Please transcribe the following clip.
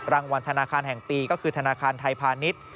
รางวัลธนาคารแห่งปีก็คือธนาคารไทยพาณิชย์